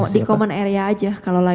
di common area aja kalau lagi